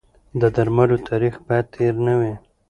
د درملو تاریخ باید تېر نه وي.